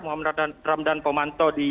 mohamad ramdan pomanto